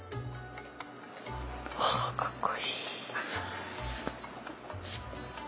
はかっこいい。